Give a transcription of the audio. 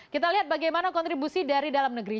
kita lihat bagaimana kontribusi dari dalam negeri